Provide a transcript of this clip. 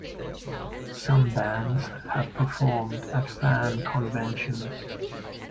Some bands have performed at fan conventions.